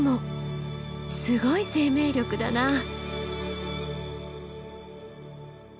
すごい生命力だな。